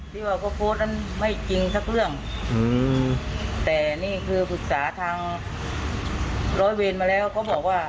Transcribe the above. ที่ว่าเขาโพสต์นั้นไม่จริงสักเรื่องอืมแต่นี่คือปรึกษาทางร้อยเวรมาแล้วเขาบอกว่า